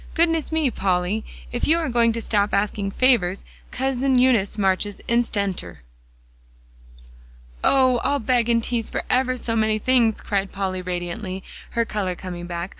"Goodness me, Polly, if you are going to stop asking favors, Cousin Eunice marches instanter!" "Oh! I'll beg and tease for ever so many things," cried Polly radiantly, her color coming back.